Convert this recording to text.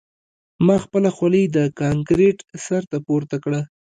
ما خپله خولۍ د کانکریټ سر ته پورته کړه